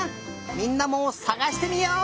みんなもさがしてみよう！